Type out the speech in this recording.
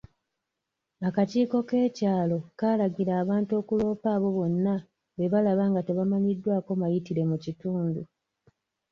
Akakiiko k'ekyalo kaalagira abantu okuloopa abo bonna be balaba nga tebamanyiddwako mayitire mu kitundu.